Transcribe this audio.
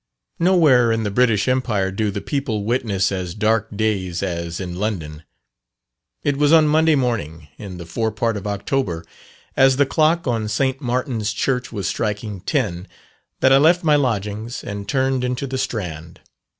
Nowhere in the British empire do the people witness as dark days as in London. It was on Monday morning, in the fore part of October, as the clock on St. Martin's Church was striking ten, that I left my lodgings, and turned into the Strand.